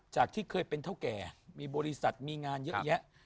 จากที่เคยเป็นเท่าแก่มีบริษัทมีงานเยอะแยะ